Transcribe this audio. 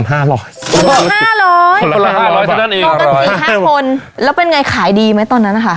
ตกกัน๔๕คนแล้วเป็นไงขายดีไหมตอนนั้นค่ะ